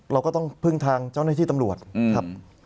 เราก็ต้องพึ่งทางเจ้าหน้าที่ตำรวจครับ